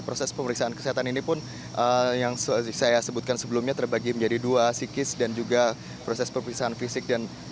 proses pemeriksaan kesehatan ini pun yang saya sebutkan sebelumnya terbagi menjadi dua psikis dan juga proses pemeriksaan fisik